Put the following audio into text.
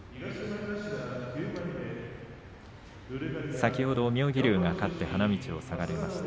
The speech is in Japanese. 先ほど妙義龍が勝って花道を下がりました。